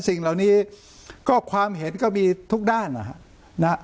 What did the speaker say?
สิ่งเหล่านี้ก็ความเห็นก็มีทุกด้านนะฮะ